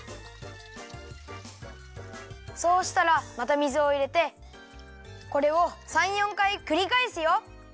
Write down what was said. そうしたらまた水をいれてこれを３４かいくりかえすよ。